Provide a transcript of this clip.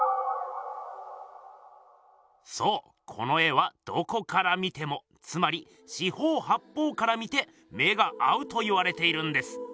そうこの絵はどこから見てもつまり四方八方から見て目が合うといわれているんです。